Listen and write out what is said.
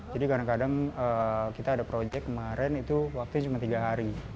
kadang kadang kita ada proyek kemarin itu waktunya cuma tiga hari